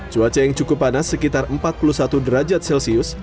cuaca yang cukup panas sekitar empat puluh satu derajat celcius